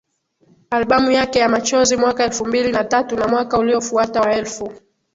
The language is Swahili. albamu yake ya Machozi mwaka elfu mbili na tatu na mwaka uliofuata wa elfu